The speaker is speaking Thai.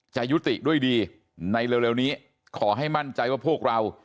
จะยุติด้วยดีในเร็วนี้ขอให้มั่นใจว่าพวกเรา